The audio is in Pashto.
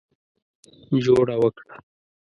جوړه وکړه.